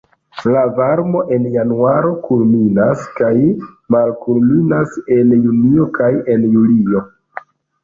La varmo en januaro kulminas kaj malkulminas en junio kaj en julio.